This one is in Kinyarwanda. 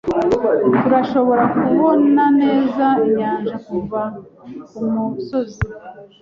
Turashobora kubona neza inyanja kuva kumusozi.